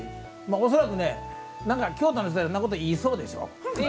恐らくね、京都の人はそんなこと言いそうでしょ。